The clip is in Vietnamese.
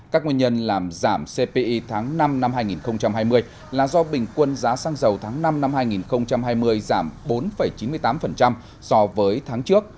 các nguyên nhân làm giảm cpi tháng năm năm hai nghìn hai mươi là do bình quân giá xăng dầu tháng năm năm hai nghìn hai mươi giảm bốn chín mươi tám so với tháng trước